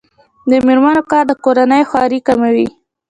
د میرمنو کار د کورنۍ خوارۍ کموي.